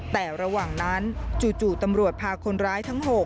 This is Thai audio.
แต่ระหว่างนั้นจู่ตำรวจพาคนร้ายทั้ง๖